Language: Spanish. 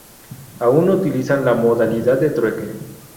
Aún utilizan la modalidad de trueque.